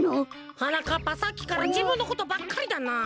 はなかっぱさっきからじぶんのことばっかりだな。